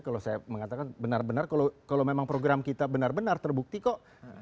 kalau saya mengatakan benar benar kalau memang program kita benar benar terbukti kok